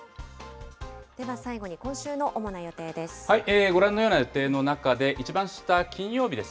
では最後に、今週の主な予定です。